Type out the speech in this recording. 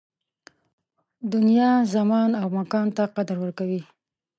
دنیا زمان او مکان ته قدر ورکوي